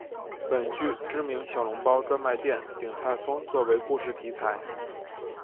本剧知名小笼包专卖店鼎泰丰做为故事题材。